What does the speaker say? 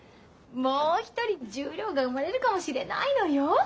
もう一人十両が生まれるかもしれないのよ？